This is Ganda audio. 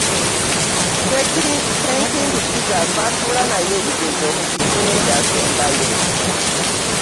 Ssenkindu Peter twatuula naye ebigezo mu kibiina ekyasembayo.